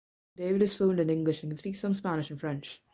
David is fluent in English and can speak some Spanish and French.